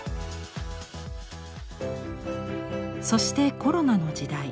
そしてコロナの時代